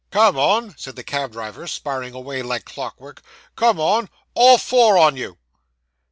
'Come on!' said the cab driver, sparring away like clockwork. 'Come on all four on you.